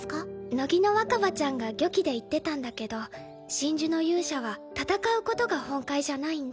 乃木の若葉ちゃんが御記で言ってたんだけど神樹の勇者は戦うことが本懐じゃないんだ。